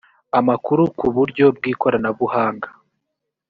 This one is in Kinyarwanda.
amakuru ku buryo bw ikoranabuhanga